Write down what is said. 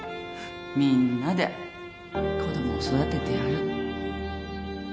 みんなで子供を育ててやる